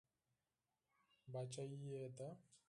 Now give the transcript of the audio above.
باچایي یې ده.